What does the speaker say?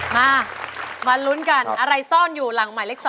มามาลุ้นกันอะไรซ่อนอยู่หลังหมายเลข๒